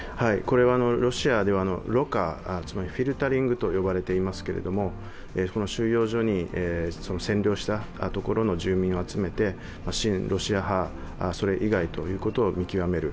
ロシアではろ過、つまりフィルタリングと呼ばれていますけれども収容所に占領したところの住民を集めて親ロシア派、それ以外と見極める。